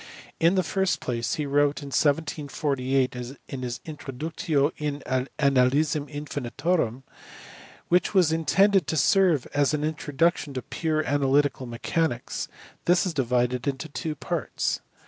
In the first place, he wrote in 1748 his Introductio in Analysin Infinitorum, which was intended to serve as an introduction to pure analytical mathematics. This is divided into two parts.